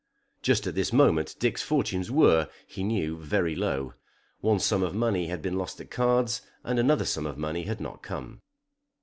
Just at this moment Dick's fortunes were, he knew, very low. One sum of money had been lost at cards, and another sum of money had not come.